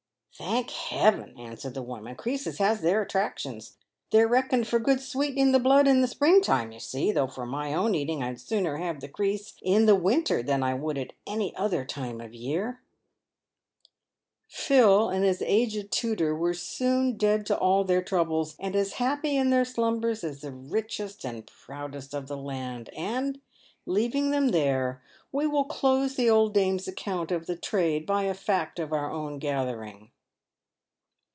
1 " Thank Hevin !" answered the woman, " creases has their attractions. They're reckined good for sweetening the blood in the spring time, you see ; though, for my own eating, I'd sooner have the crease in the winter than I would at any other time of the year." Phil and his aged tutor were soon dead to all their troubles, and as happy in their slumbers as the richest and proudest of the land ; and, leaving them there, we will close the old dame's account of the trade by a fact of our own gathering.